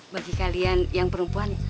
bagi kalian yang perempuan